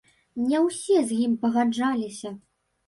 Не ўсе з ім пагаджаліся.